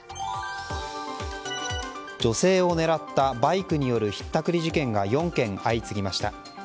女性を狙ったバイクによるひったくり事件が４件相次ぎました。